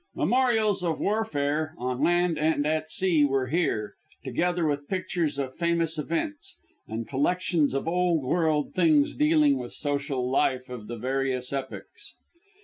Memorials of warfare on land and at sea were here, together with pictures of famous events, and collections of old world things dealing with social life of the various epochs.